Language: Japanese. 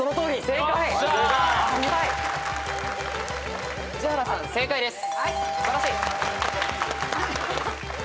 正解です。